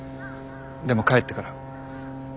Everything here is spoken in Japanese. でも帰ってから。